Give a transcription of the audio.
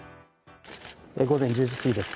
午前１０時過ぎです。